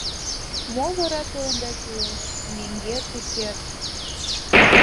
— Мо вара тыланда кӱлеш, менгер Деккер?